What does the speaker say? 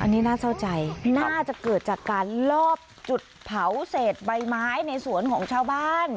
อันนี้น่าเศร้าใจน่าจะเกิดจากการลอบจุดเผาเศษใบไม้ในสวนของชาวบ้าน